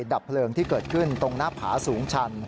ดับเพลิงที่เกิดขึ้นตรงหน้าผาสูงชัน